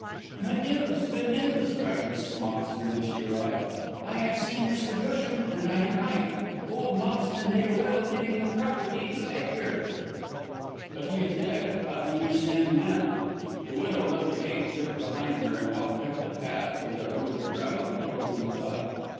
"Good news! good news!" cried Mrs. Moxton, when she arrived. "I have seen Mr. Busham and I am right. Old Moxton made a will leaving the property to Edgar." "But he is dead. How do you stand now?" The widow let the gate click behind her, and walked up the path with a wrinkled brow, betokening thought.